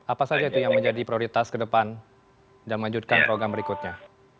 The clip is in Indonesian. apa saja itu yang menjadi prioritas ke depan dan melanjutkan program berikutnya